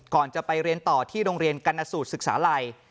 ก่อนจะไปเรียนต่อที่ดรกันอสูจน์ศึกษาไหล่